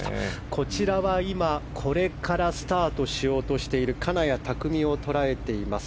こちらは今、これからスタートしようとしている金谷拓実を捉えています。